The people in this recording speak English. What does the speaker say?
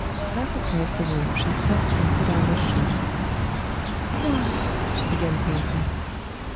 Half across the room she stopped and put out a shoe. "Why " she began faintly.